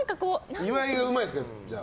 岩井がうまいんですよ、じゃあ。